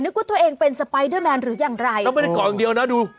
ว่าตัวเองเป็นสไปเดอร์แมนหรืออย่างไรก็ไม่ได้เกาะอย่างเดียวนะดู